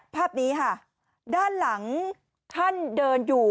ภาพนี้ค่ะด้านหลังท่านเดินอยู่